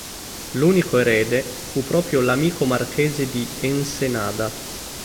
L'unico erede fu proprio l'amico marchese di Ensenada.